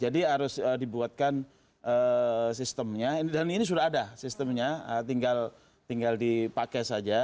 jadi kita harus membuatkan sistemnya dan ini sudah ada sistemnya tinggal dipakai saja